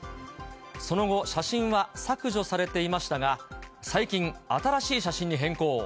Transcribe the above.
その後、写真は削除されていましたが、最近、新しい写真に変更。